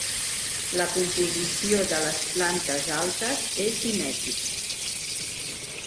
La composició de les plantes altes és simètrica.